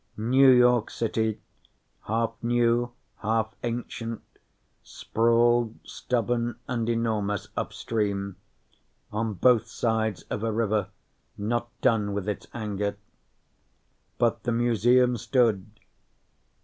New York City, half new, half ancient, sprawled stubborn and enormous upstream, on both sides of a river not done with its anger. But the Museum stood.